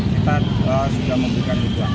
kita sudah membuka uban